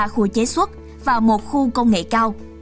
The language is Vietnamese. ba khu chế xuất và một khu công nghệ cao